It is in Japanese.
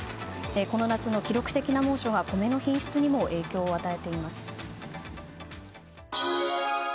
この夏の記録的な猛暑が米の品質にも影響を与えています。